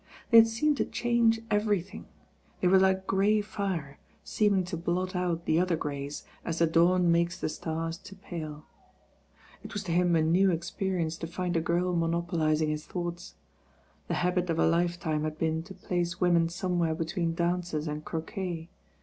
They had seemed to change everything. They were like grey fire, seem ing to blot out the other greys, as the dawn makes the stars to pale. It was to him t new experience to find a girl monopolising his thoughts. The habit of a life time had been to place women somewhere between dances and croquet.